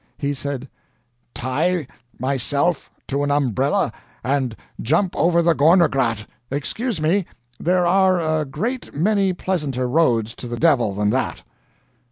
He said: "Tie myself to an umbrella and jump over the Gorner Grat! Excuse me, there are a great many pleasanter roads to the devil than that."